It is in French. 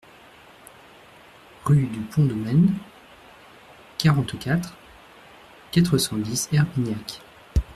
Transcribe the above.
Rue du Pont de Men, quarante-quatre, quatre cent dix Herbignac